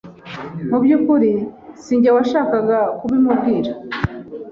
mu byukuri sinjye washakaga kubimubwira